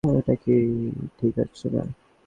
এইটা ঠিক হচ্ছে না।